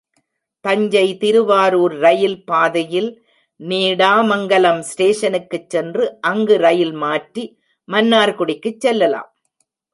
Thanjai Thiruvarur rail பாதையில் நீடாமங்கலம் ஸ்டேஷனுக்குச் சென்று அங்கு ரயில் மாற்றி மன்னார்குடிக்குச் செல்லலாம்.